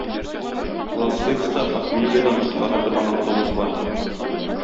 Лас Вегаста похмельедан коткара торган автобус бар!